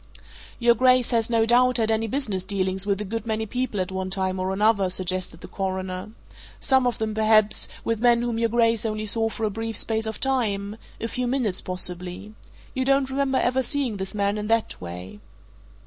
"Your Grace has, no doubt, had business dealings with a good many people at one time or another," suggested the Coroner. "Some of them, perhaps, with men whom your Grace only saw for a brief space of time a few minutes, possibly. You don't remember ever seeing this man in that way?"